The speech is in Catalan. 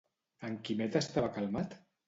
En Quimet estava calmat?